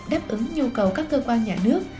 đáp ứng nhu cầu các cơ quan nhà nước